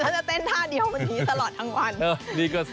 ใช่ค่ะเดี๋ยวฉันจะเต้นท่าเดียวมันดีตลอดทั้งวัน